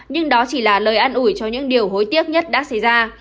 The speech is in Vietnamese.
nhưng đó chỉ là lời an ủi cho những điều hối tiếc nhất đã xảy ra